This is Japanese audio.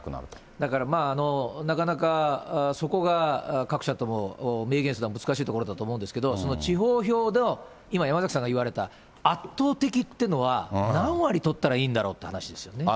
だからまあなかなか、そこが各社とも明言するのは難しいところだと思うんですけど、その地方票の、今、山崎さんが言われた、圧倒的っていうのは、何割取ったらいいんだろうって話ですよね。